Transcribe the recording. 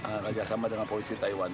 kerjasama dengan polisi taiwan